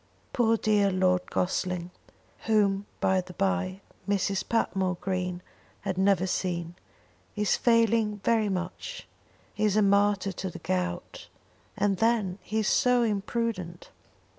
Poor dear Lord Gossling" whom, by the bye, Mrs. Patmore Green had never seen "is failing very much; he is a martyr to the gout, and then he is so imprudent."